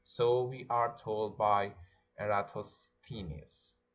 So we are told by Eratosthenes.